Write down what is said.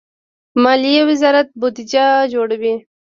مالیې وزارت بودجه جوړوي